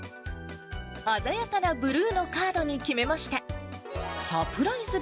鮮やかなブルーのカードに決めました。